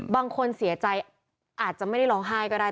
บางคนเสียใจอาจจะไม่ได้ร้องไห้ก็ได้